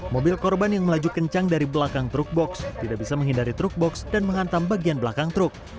mobil korban yang melaju kencang dari belakang truk box tidak bisa menghindari truk box dan menghantam bagian belakang truk